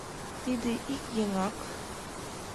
— Тиде ик еҥак.